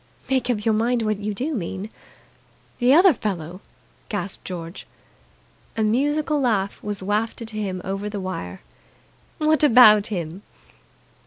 "Make up your mind what you do mean." "The other fellow!" gasped George. A musical laugh was wafted to him over the wire. "What about him?"